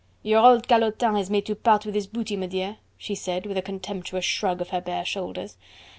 "Your old calotin was made to part with his booty, m'dear," she said, with a contemptuous shrug of her bare shoulders.